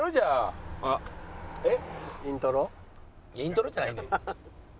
イントロじゃないねん。